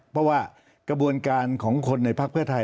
เพราะว่ากระบวนการของคนในพักเพื่อไทย